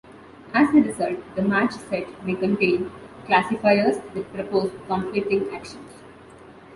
As a result, the match set may contain classifiers that propose conflicting actions.